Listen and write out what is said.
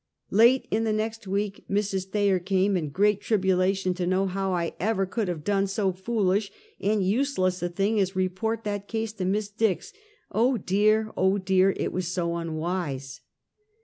Late in the next week Mrs. Thayer came, in great tribulation, to know how I ever could have done so foolish and useless a thing as report that case to Miss Dix! Oh dear! Oh dear! It was so unwise!